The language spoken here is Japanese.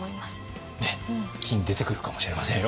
ねえ金出てくるかもしれませんよ。